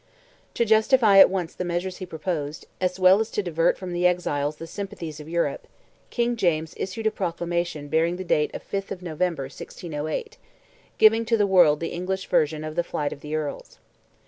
To justify at once the measures he proposed, as well as to divert from the exiles the sympathies of Europe, King James issued a proclamation bearing date the 5th of November, 1608, giving to the world the English version of the flight of the Earls.